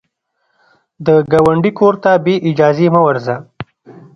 د ګاونډي کور ته بې اجازې مه ورځه